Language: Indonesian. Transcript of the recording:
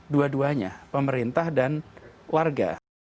dua duanya pemerintah dan warga